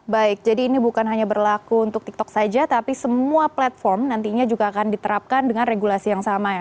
baik jadi ini bukan hanya berlaku untuk tiktok saja tapi semua platform nantinya juga akan diterapkan dengan regulasi yang sama ya